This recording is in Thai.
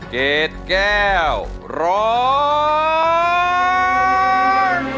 เกรดแก้วร้อง